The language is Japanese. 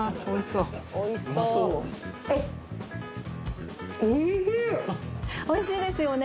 あっおいしいですよね